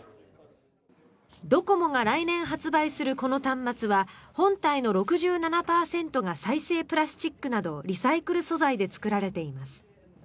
ドコモが来年発売するこの端末は本体の６７％が再生プラスチックなどリサイクル素材で作られています。